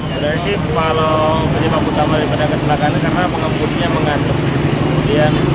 berarti kalau berjalan pertama daripada kecelakaan ini karena pengangkutnya mengangkut